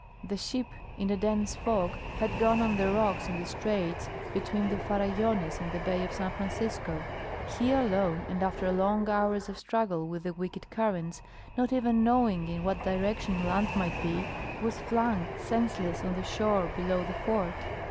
The ship in a dense fog had gone on the rocks in the straits between the Farallones and the Bay of San Francisco. He alone, and after long hours of struggle with the wicked currents, not even knowing in what direction land might be, was flung, senseless, on the shore below the Fort.